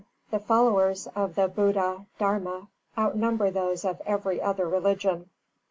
The followers of the Buddha Dharma outnumber those of every other religion.